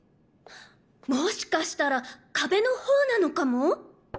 もしかしたら壁の方なのかも？